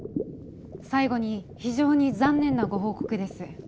最後に非常に残念なご報告です。